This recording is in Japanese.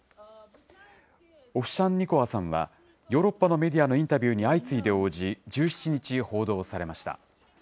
オフシャンニコワさんは、ヨーロッパのメディアのインタビューに相次いで応じ、１７日報道されました。